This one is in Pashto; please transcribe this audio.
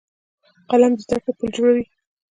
قلم د زده کړې پل جوړوي